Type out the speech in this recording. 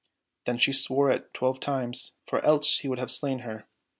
" Then she swore to it twelve times, for else he would have slain her.